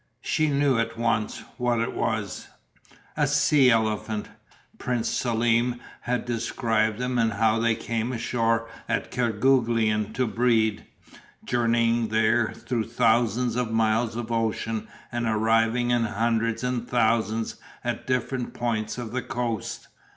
She knew at once what it was, a sea elephant. Prince Selm had described them and how they came ashore at Kerguelen to breed, journeying there through thousands of miles of ocean and arriving in hundreds and thousands at different points of the coast.